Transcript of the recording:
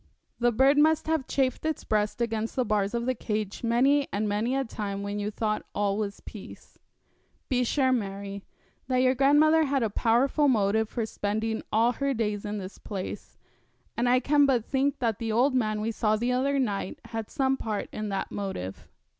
The bird must have chafed its breast against the bars of the cage many and many a time when you thought that all was peace. Be sure, Mary, that your grandmother had a powerful motive for spending all her days in this place, and I can but think that the old man we saw the other night had some part in that motive.